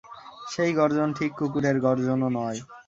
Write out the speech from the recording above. সেই গর্জন ঠিক কুকুরের গর্জনও নয়।